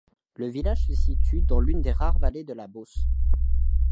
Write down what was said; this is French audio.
Le village se situe dans l'une des rares vallées de la Beauce.